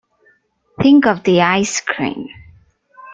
Think of the ice cream!